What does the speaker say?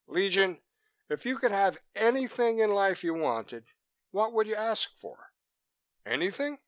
"Legion, if you could have anything in life you wanted, what would you ask for?" "Anything?